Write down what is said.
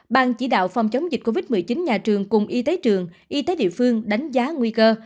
ban chỉ đạo phòng chống dịch covid một mươi chín nhà trường cùng y tế trường y tế địa phương đánh giá nguy cơ